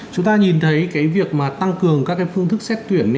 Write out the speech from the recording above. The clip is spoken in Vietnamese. chúng ta nhìn thấy cái việc mà tăng cường các cái phương thức xét tuyển